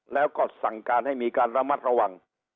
แล้วก็สั่งการให้มีการระมัดระวัง